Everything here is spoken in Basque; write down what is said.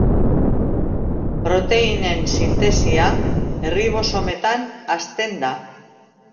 Proteinen sintesia erribosometan hasten da.